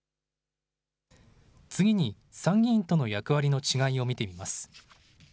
次に、参議院との役割の違いを見ていきます。